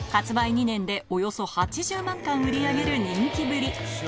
２年でおよそ８０万缶売り上げる人気ぶり